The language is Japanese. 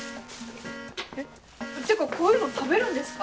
てかこういうの食べるんですか？